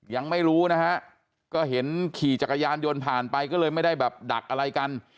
ยังไม่รู้นะฮะก็เห็นขี่จักรยานยนต์ผ่านไปก็เลยไม่ได้แบบดักอะไรกัน